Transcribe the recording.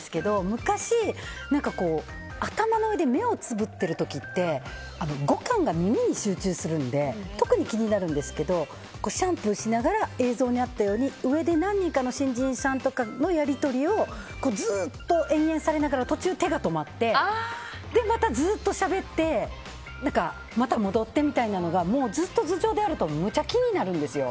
昔、頭の上で目をつぶってる時って五感が耳に集中するので特に気になるんですけどシャンプーしながら映像にあったように何人かの新人さんのやり取りをずっと延々されながら途中、手が止まってまたずっとしゃべってまた戻ってみたいなのがもうずっと頭上であるとめっちゃ気になるんですよ。